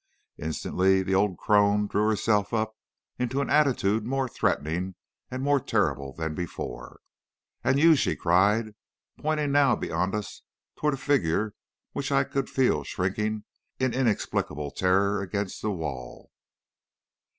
"Instantly the old crone drew herself up into an attitude more threatening and more terrible than before. "'And you,' she cried, pointing now beyond us toward a figure which I could feel shrinking in inexplicable terror against the wall.